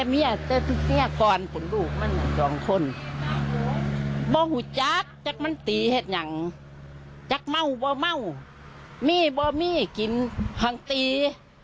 เมื่ออเมื่อหมือกินพังตี